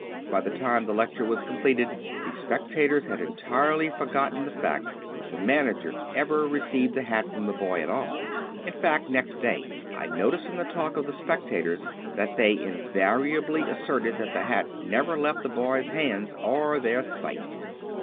By the time the lecture was completed, the spectators had entirely forgotten the fact that the manager ever re 267 True Stories of Modern Magic ceived the hat from the boy at all. In fact, next day I noticed from the talk of the spectators, that they invariably asserted that the hat never left the boy's hands or their sight.